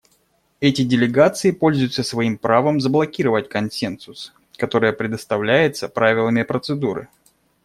Эти делегации пользуются своим правом заблокировать консенсус, которое предоставляется Правилами процедуры.